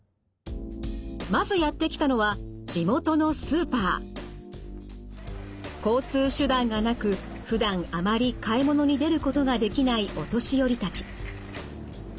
まずやって来たのは交通手段がなくふだんあまり買い物に出ることができないお年寄りたち。